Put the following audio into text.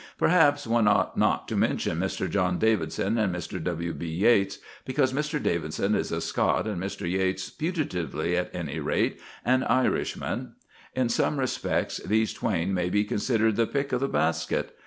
Perhaps one ought not to mention Mr. John Davidson and Mr. W.B. Yeats, because Mr. Davidson is a Scot, and Mr. Yeats, putatively, at any rate, an Irishman. In some respects these twain may be considered the pick of the basket.